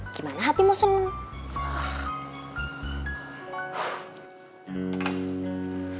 gimana hati mau seneng